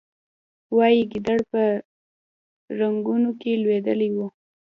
وایي ګیدړ په رنګونو کې لوېدلی و.